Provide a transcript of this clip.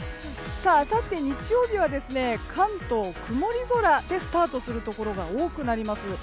あさって日曜日は関東曇り空でスタートするところが多くなります。